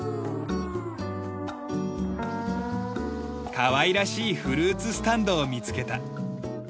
かわいらしいフルーツスタンドを見つけた。